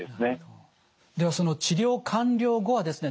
ではその治療完了後はですね